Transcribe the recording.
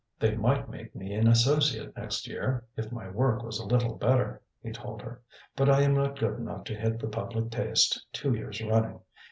"They might make me an Associate next year, if my work was a little better," he told her; "but I am not good enough to hit the public taste two years running.